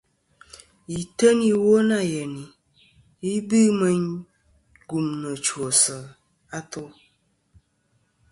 Yì teyn iwo nâ yenì , ghɨ bɨ meyn gumnɨ chwosɨ atu.